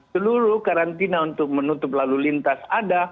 seluruh karantina untuk menutup lalu lintas ada